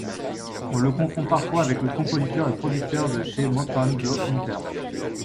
On le confond parfois avec le compositeur et producteur de chez Motown Joe Hunter.